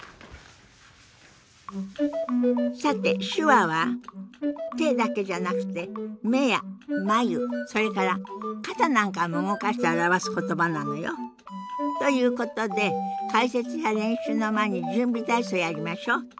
さて手話は手だけじゃなくて目や眉それから肩なんかも動かして表す言葉なのよ。ということで解説や練習の前に準備体操をやりましょう！